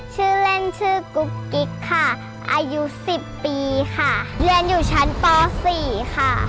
ชื่อเล่นชื่อกุ๊กกิ๊กค่ะอายุ๑๐ปีค่ะเรียนอยู่ชั้นป๔ค่ะ